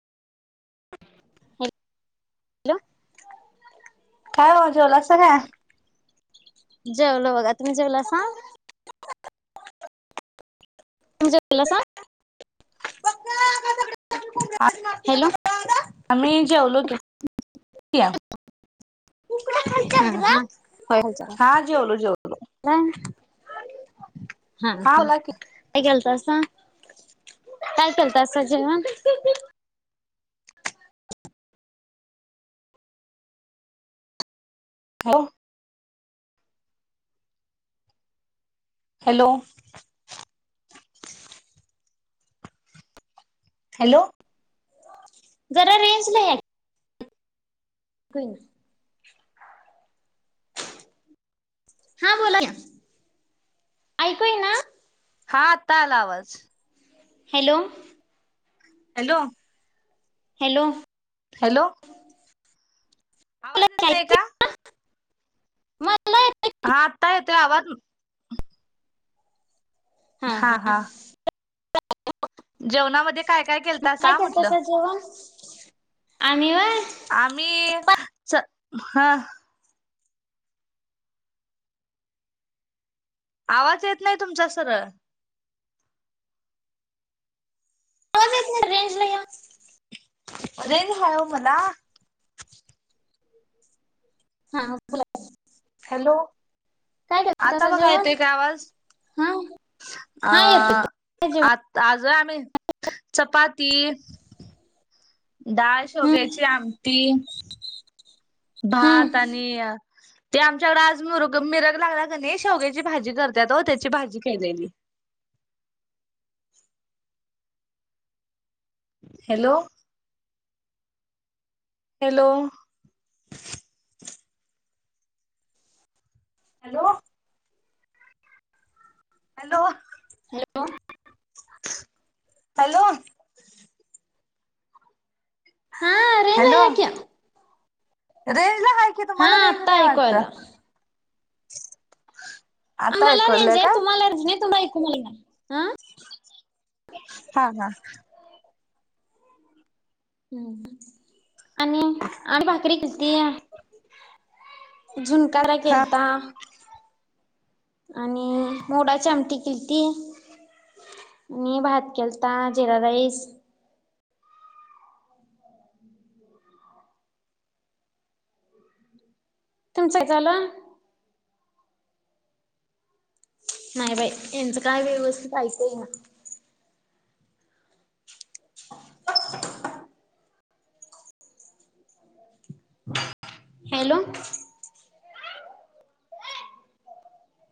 [inaudible] काय वाजवला सम्या. जेवल बघा तुम्ही जेवला सा. तु झोपला सांग हॅलो आम्ही जेवलो की या. [inaudible] होय जा हा जेवलो जेवलो नाय. हा हा बोला की बसा काय केल तसा जेवण. हो. हॅलो. हॅलो. जरा रेंज नाहीये. ऐक ना हा बोला ना ऐकूय ना. हा आता आला आवाज. हॅलो. हॅलो. हॅलो. हॅलो. आवाज येत नाहीये का? म. हा आता येतोय आवाज हा हा. जेवणामध्ये. काय काय केलतासा अ म्हटलं. आणिवर. आम्ही च हा. आवाज येत नाही तुमचा सरळ. रेंज नाही य. अरे हा मला. हा बोला. हॅलो काय आता केलतासा बघा जेवण येतोय का आवाज हा अ हा येतंय की. काय जेवण आत आज. ज आम्ही चपाती. डा हम्म शोगायची आमटी. भात हम्म आणि ते आमच्याकड आज मिरग मिरग लागला का नाही शेवग्याची भाजी करतात त्याची भाजी खलेली. Hello. Hello. Hello. Hello hello hello हा रेंजला हॅलो या की रे तर याची हा तुम्हाला रेंज आत्ता नाही ऐकू आलं वाटत [unintelligible] आम्हांला रेंज ऐकवलंय आहे [unintelligible] हां हा हं आणि आणि भाकरी किती आहे? झुनका [inaudible] हा आणि मोडाची आमटी केलती नी भात केलता जिरा राईस. तुमचंय झालं? नाही बाई यांचं काय व्यवस्थित ऐकू येईना. [unintelligible] हॅलो